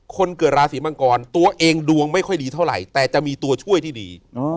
คนเกิดราศีมังกรตัวเองดวงไม่ค่อยดีเท่าไหร่แต่จะมีตัวช่วยที่ดี